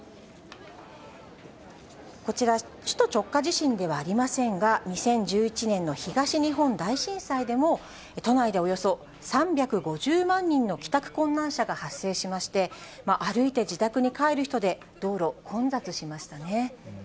こちら、首都直下地震ではありませんが、２０１１年の東日本大震災でも、都内でおよそ３５０万人の帰宅困難者が発生しまして、歩いて自宅に帰る人で道路、混雑しましたね。